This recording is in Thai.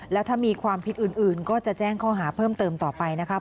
แล้วถ้ามีความผิดอื่นก็จะแจ้งข้อหาเพิ่มเติมต่อไปนะครับ